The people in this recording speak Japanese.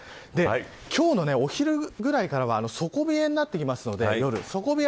今日のお昼くらいからは底冷えになってきますので底冷えは